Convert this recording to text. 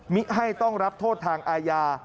มิให้ต้องรับโทษทางอาญา